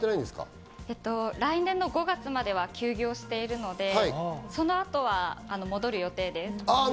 来年の５月までは休業しているので、その後は戻る予定です。